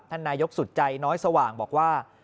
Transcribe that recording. นายกสุดใจน้อยสว่างบอกว่า